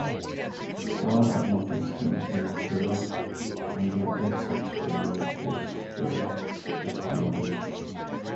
While at Northeastern, he interned under Red Sox radio voice Joe Castiglione.